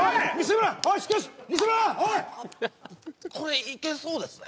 これいけそうですね